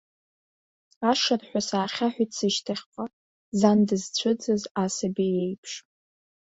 Ашырҳәа саахьаҳәит сышьҭахьҟа, зан дызцәыӡыз асаби иеиԥш.